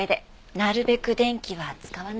なるべく電気は使わないように。